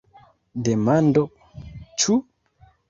Demando: Ĉu?